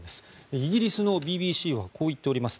イギリスのＢＢＣはこう言っております。